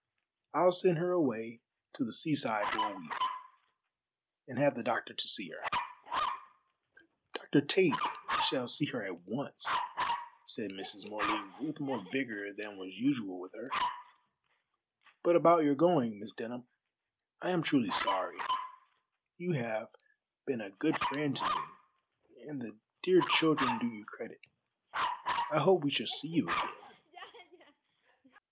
I'll send her away to the seaside for a week, and have the doctor to see her." "Dr. Tait shall see her at once," said Mrs. Morley, with more vigor than was usual with her. "But about your going, Miss Denham, I am truly sorry. You have been a good friend to me, and the dear children do you credit. I hope we shall see you again."